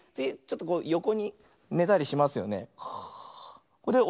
よこにねたりしますよね。